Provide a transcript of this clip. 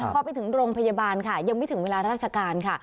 พอไปถึงโรงพยาบาลค่ะยังไม่ถึงเวลาราชการค่ะ